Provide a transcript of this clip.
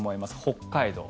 北海道。